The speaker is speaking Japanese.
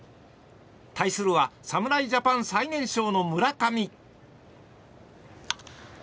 対するは侍ジャパン最年少の村上。